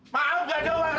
maaf nggak ada uang